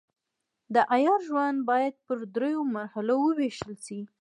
د عیار ژوند باید پر دریو مرحلو وویشل شي.